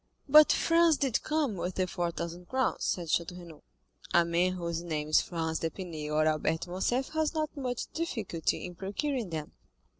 "But Franz did come with the four thousand crowns," said Château Renaud. "A man whose name is Franz d'Épinay or Albert de Morcerf has not much difficulty in procuring them."